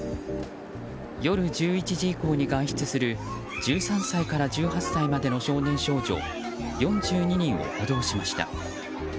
夜１１時以降に外出する１３歳から１８歳までの少年少女４２人を補導しました。